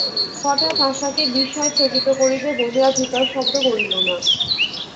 হঠাৎ আশাকে বিস্ময়ে চকিত করিবে বলিয়া জুতার শব্দ করিল না।